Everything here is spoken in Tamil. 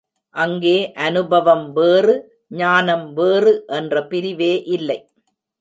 அங்கே அநுபவம் வேறு, ஞானம் வேறு என்ற பிரிவே இல்லை.